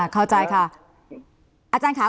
อเรนนี่อาจารย์ค่ะ